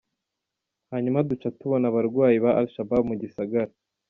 Hanyuma duca tubona abarwanyi ba al-Shabab mu gisagara.